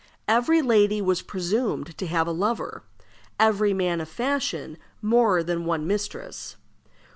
Every lady was presumed to have a lover; every man of fashion more than one mistress.